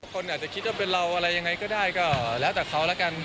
คนอาจจะคิดว่าเป็นเราอะไรยังไงก็ได้ก็แล้วแต่เขาแล้วกัน